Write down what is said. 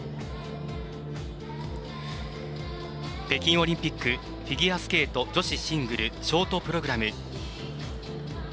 北京オリンピックフィギュアスケート女子シングルショートプログラム。